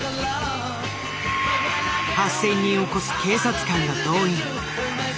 ８，０００人を超す警察官が動員。